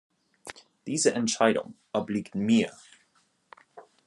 Diese Entscheidung obliegt mir.